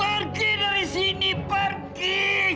pergi dari sini pergi